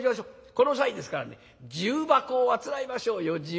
この際ですからね重箱をあつらえましょうよ重箱。